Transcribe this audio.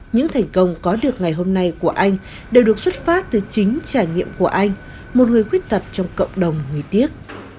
những thành công có được ngày hôm nay của anh đều được xuất phát từ chính trải nghiệm của anh một người khuyết tật trong cộng đồng người điếc